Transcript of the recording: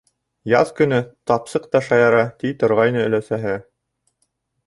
«Яҙ көнө тапсыҡ та шаяра!» - ти торғайны өләсәһе.